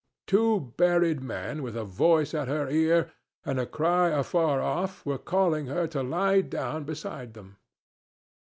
Two buried men with a voice at her ear and a cry afar off were calling her to lie down beside them.